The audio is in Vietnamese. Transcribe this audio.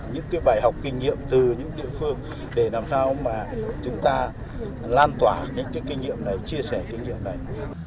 những bài học kinh nghiệm từ những địa phương để làm sao mà chúng ta lan tỏa những kinh nghiệm này chia sẻ kinh nghiệm này